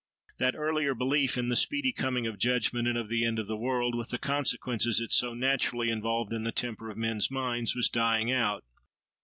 That earlier belief in the speedy coming of judgment and of the end of the world, with the consequences it so naturally involved in the temper of men's minds, was dying out.